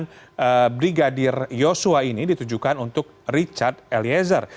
pemeriksaan brigadir yosua ini ditujukan untuk richard eliezer